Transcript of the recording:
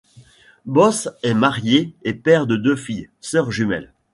Bosse est marié et père de deux filles, sœurs jumelles.